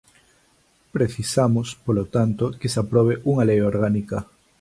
Precisamos, polo tanto, que se aprobe unha lei orgánica.